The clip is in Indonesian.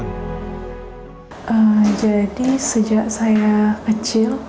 ketika dia berada di kawasan pemencutan dia berada di kawasan pemencutan